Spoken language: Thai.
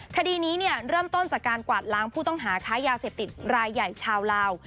คดีนี้เริ่มต้นจากการกวาดล้างผู้ต้องหาค้ายาเสพติดรายใหญ่ชาวลาว